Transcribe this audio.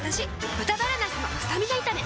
「豚バラなすのスタミナ炒め」